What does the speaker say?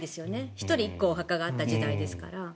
１人１個お墓があった時代ですから。